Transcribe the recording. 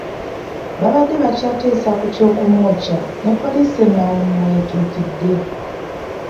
Baabadde bakyateesa ku ky’okumwokya ne poliisi ennawunyi we yatuukidde